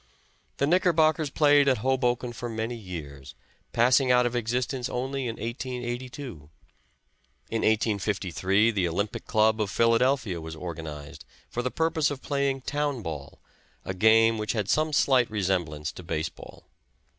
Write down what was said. The Knickerbockers played at Hoboken for many years, passing out of existence only in 1882. In 1853 the Olympic Club of Philadelphia was organized for the purpose of playing town ball, a game which had some slight resemblance to base ball.